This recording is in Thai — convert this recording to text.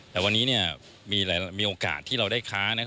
แต่วันนี้มีโอกาสที่เราได้ค้า